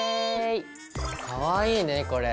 かわいいねこれ。